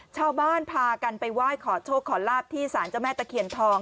ชาวบ้านพากันไปไหว้ขอโชคขอลาบที่สารเจ้าแม่ตะเคียนทอง